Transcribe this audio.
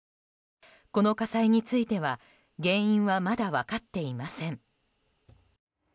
この火災については原因はまだ分かっていません。